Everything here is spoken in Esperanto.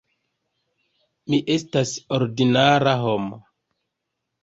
Mi estas ordinara homo.